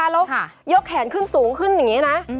แล้วยกแขนขึ้นสูงขึ้นอย่างนี้นะ